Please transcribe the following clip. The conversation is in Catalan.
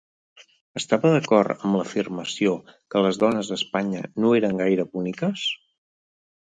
Estava d'acord amb l'afirmació que les dones d'Espanya no eren gaire boniques?